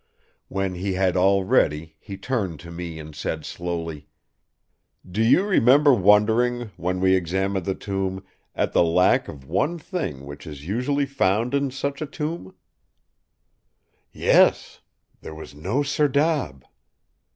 When he had all ready, he turned to me and said slowly: "'Do you remember wondering, when we examined the tomb, at the lack of one thing which is usually found in such a tomb?' "'Yes! There was no serdab.